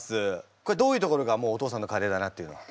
これどういうところがもうお父さんのカレーだなっていうのは？